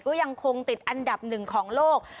ก็ยังคงติดอันดับหนึ่งของโลก